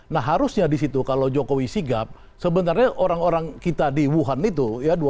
nah harusnya di situ kalau jokowi sigap sebenarnya orang orang kita di wuhan itu ya